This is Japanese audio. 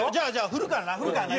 振るからな振るからな。